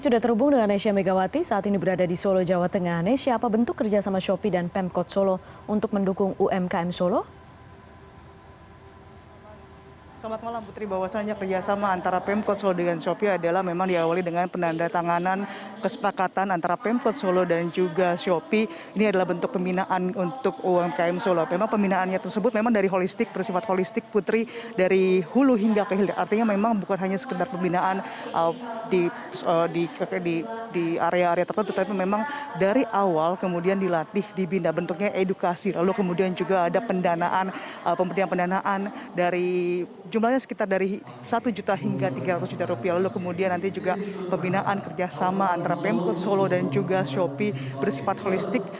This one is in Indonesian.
dari jumlahnya sekitar dari satu juta hingga tiga ratus juta rupiah lalu kemudian nanti juga pembinaan kerjasama antara pemkot solo dan juga shopee bersifat holistik